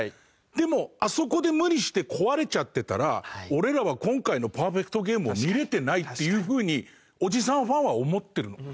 でもあそこで無理して壊れちゃってたら俺らは今回のパーフェクトゲームを見れてないっていうふうにおじさんファンは思ってるの。